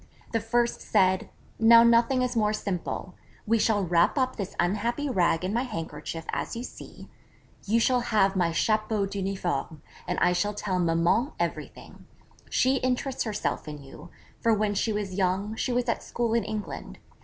The first said: 'Now nothing is more simple: we shall wrap up this unhappy rag in my handkerchief as you see;_ You shall have my chapeau d'uniforme_, and I shall tell Maman everything she interests herself in you; for when she was young, she was at school in England.